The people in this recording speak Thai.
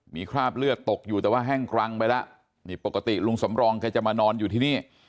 มีคราบเลือดตกอยู่แต่ว่าแห้งกรังไปแล้วนี่ปกติลุงสำรองแกจะมานอนอยู่ที่นี่